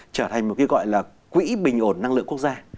trở thành một cái gọi là quỹ bình ổn năng lượng quốc gia